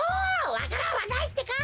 わか蘭はないってか！